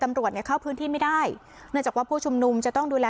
ตำรวจเนี่ยเข้าพื้นที่ไม่ได้เนื่องจากว่าผู้ชุมนุมจะต้องดูแล